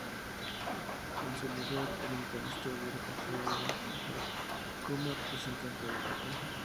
En su lugar, el guitarrista hubiera preferido a "Jihad" como representante del grupo.